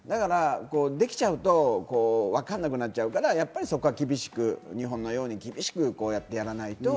できちゃうと分かんなくなっちゃうから、厳しく日本のようにやらないと。